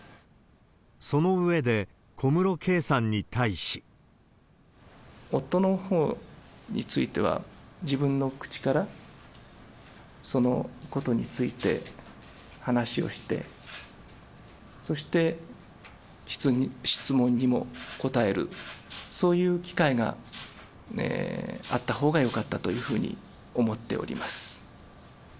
その上で、夫のほうについては、自分の口からそのことについて話をして、そして質問にも答える、そういう機会があったほうがよかったというふうに思っております。